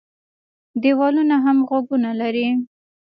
ـ دیوالونه هم غوږونه لري.